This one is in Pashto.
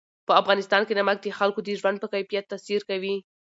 په افغانستان کې نمک د خلکو د ژوند په کیفیت تاثیر کوي.